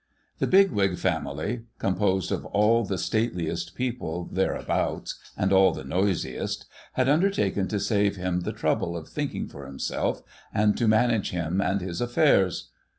The Bigwig family (composed of all the stateliest people there abouts, and all the noisiest) had undertaken to save him the trouble of thinking for himself, and to manage him and his affairs.